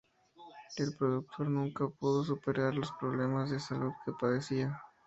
El productor nunca pudo superar los problemas de salud que padecía.